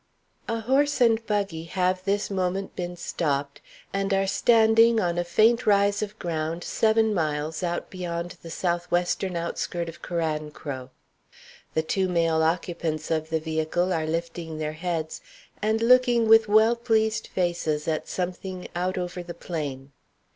A horse and buggy have this moment been stopped and are standing on a faint rise of ground seven miles out beyond the south western outskirt of Carancro. The two male occupants of the vehicle are lifting their heads, and looking with well pleased faces at something out over the plain.